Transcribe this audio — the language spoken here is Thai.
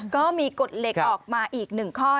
ก็มีกฎเหล็กออกมาอีกหนึ่งข้อ